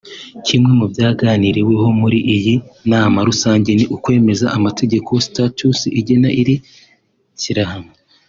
Kimwe mu byaganiriweho muri iyi nama rusange ni ukwemeza amategeko (status) igenga iri shyirahamwe